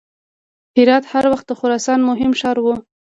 هرات هر وخت د خراسان مهم ښار و.